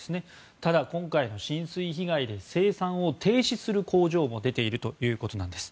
ただ今回の浸水被害で生産を停止する工場も出ているということなんです。